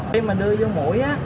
khi mà đưa vô mũi á